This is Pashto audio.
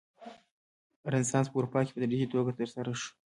رنسانس په اروپا کې په تدریجي توګه ترسره شو.